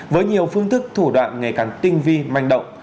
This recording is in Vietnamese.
với nhiều phương thức thủ đoạn ngày càng tinh vi manh động